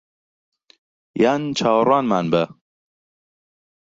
یان چاوەڕوانمان بە